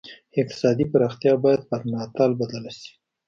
اقتصادي پراختیا باید پر ناتال بدل شي.